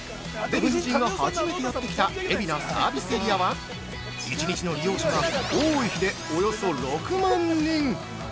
デヴィ夫人は初めてやってきた海老名サービスエリアは、１日の利用者が多い日で、およそ６万人！